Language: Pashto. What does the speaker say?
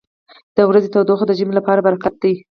• د ورځې تودوخه د ژمي لپاره برکت دی.